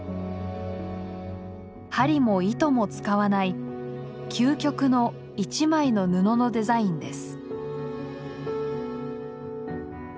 針も糸も使わない究極の「一枚の布」のデザインです。